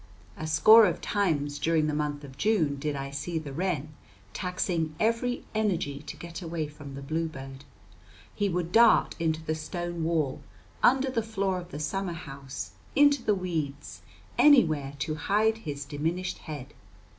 A score of times during the month of June did I see the wren taxing every energy to get away from the bluebird. He would dart into the stone wall, under the floor of the summer house, into the weeds, anywhere to hide his diminished head.